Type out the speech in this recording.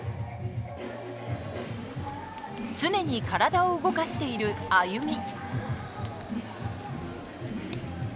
常に体を動かしているＡＹＵＭＩ。